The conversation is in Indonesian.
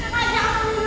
kamu yang beripu